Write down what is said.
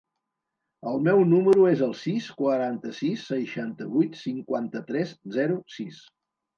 El meu número es el sis, quaranta-sis, seixanta-vuit, cinquanta-tres, zero, sis.